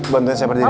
bantuin saya berdiri